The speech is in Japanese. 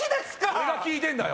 俺が聞いてんだよ